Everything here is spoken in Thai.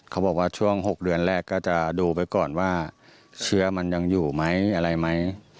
เขาบอกว่าช่วง๖เดือนแรกก็จะดูไปก่อนว่าเชื้อมันยังอยู่ไหมอะไรไหม